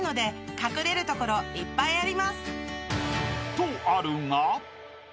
［とあるが］